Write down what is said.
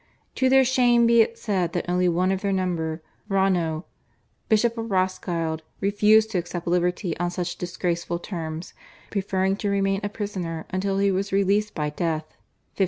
To their shame be it said that only one of their number, Ronnow, Bishop of Roskilde, refused to accept liberty on such disgraceful terms, preferring to remain a prisoner until he was released by death (1544).